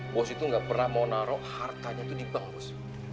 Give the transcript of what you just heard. bos itu gak pernah mau taro hartanya itu di bank bos